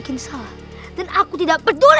kita sudah kembali